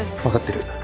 わかってる。